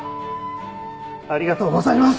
ありがとうございます！